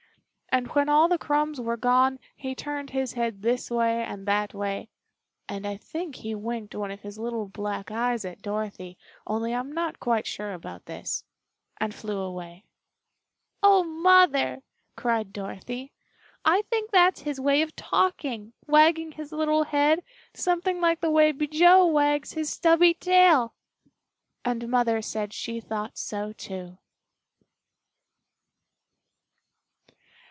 And when all the crumbs were gone he turned his head this way and that way (and I think he winked one of his little black eyes at Dorothy, only I'm not quite sure about this) and flew away. "Oh, Mother!" cried Dorothy, "I think that's his way of talking wagging his little head something like the way Bijou wags his stubby tail!" And Mother said she thought so, too.